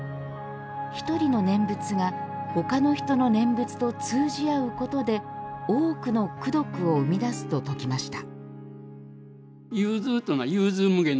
一人の念仏が他の人の念仏と通じ合うことで多くの功徳を生み出すと説きました。